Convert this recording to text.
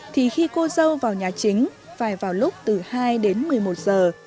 thì khi cô dâu vào nhà chính phải vào lúc từ hai đến một mươi một giờ